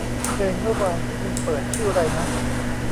เพลงเมื่อวานที่มึงเปิดชื่อไรนะ